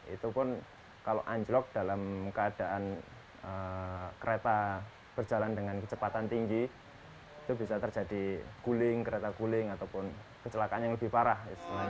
itu pun kalau anjlok dalam keadaan kereta berjalan dengan kecepatan tinggi itu bisa terjadi guling kereta guling ataupun kecelakaan yang lebih parah